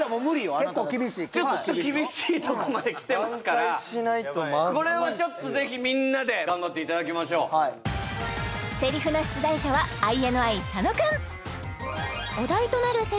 結構厳しいちょっと厳しいとこまできてますからこれはちょっと是非みんなで頑張っていただきましょうセリフの出題者はＩＮＩ佐野くん